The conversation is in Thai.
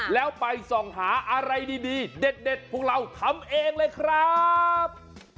แล้วไปส่องหาอะไรดีเด็ดพวกเราทำเองเลยครับ